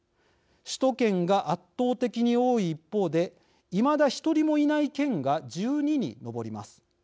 首都圏が圧倒的に多い一方でいまだ１人もいない県が１２に上ります。